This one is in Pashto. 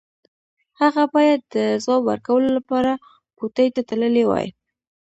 هغه بايد د ځواب ورکولو لپاره کوټې ته تللی وای.